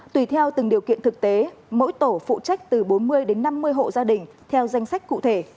tùy theo từng điều kiện thực tế mỗi tổ phụ trách từ bốn mươi đến năm mươi hộ gia đình theo danh sách cụ thể